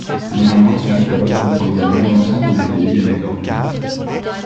Néanmoins, son catalogue comprend également l'ensemble des pays émetteurs du monde.